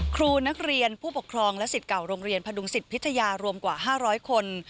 ครูนักเรียนผู้ปกครองและสิทธิ์เก่าโรงเรียนพดุงศิษย์พิทยารวมกว่า๕๐๐คน